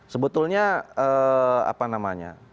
sebetulnya apa namanya